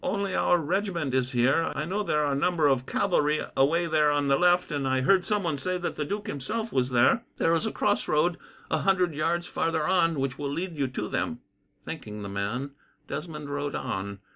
"Only our regiment is here. I know there are a number of cavalry away there on the left, and I heard someone say that the duke himself was there. There is a crossroad, a hundred yards farther on, which will lead you to them." Thanking the man, Desmond rode on.